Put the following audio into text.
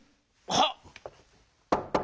はっ！